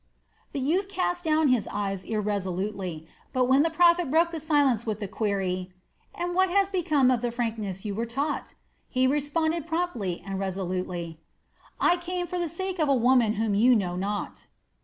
The youth cast down his eyes irresolutely, but when the prophet broke the silence with the query: "And what has become of the frankness you were taught?" he responded promptly and resolutely: "I came for the sake of a woman whom you know not."